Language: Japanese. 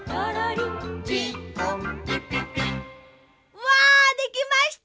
うわできました！